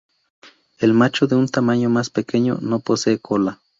El macho de un tamaño más pequeño no posee cola.